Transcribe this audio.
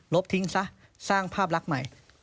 ทิ้งซะสร้างภาพลักษณ์ใหม่